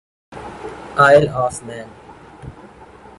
oil of main